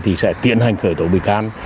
thì sẽ tiến hành khởi tố bì can